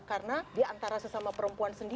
karena di antara sesama perempuan